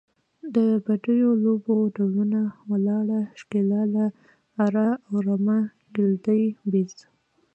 د بډیو لوبو ډولونه، ولاړه، شکیلاله، اره او رمه، ګیلدي، بیز …